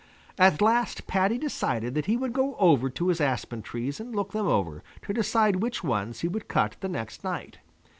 At last Paddy decided that he would go over to his aspen trees and look them over to decide which ones he would cut the next night.